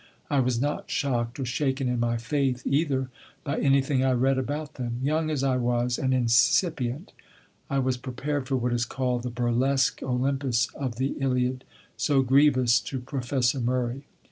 I was not shocked or shaken in my faith, either, by anything I read about them. Young as I was and insipient, I was prepared for what is called the burlesque Olympus of the Iliad, so grievous to Professor Murray.